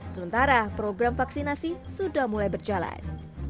sementara program vaksinasi sudah mulai berjalan